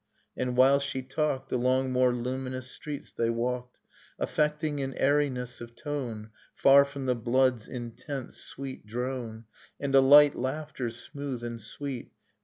—' and while she talked Along more luminous streets they walked, Affecting an airiness of tone Far from the blood's intense sweet drone. And a light laughter, smooth and sweet.